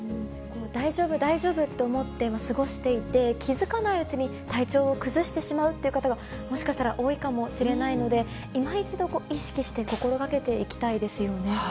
大丈夫、大丈夫と思って過ごしていて、気付かないうちに、体調を崩してしまうという方が、もしかしたら多いかもしれないので、いま一度、意識して心がけていきたいですよね。